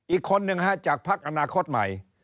อีกคนนึงจากพักอนาคตใหม่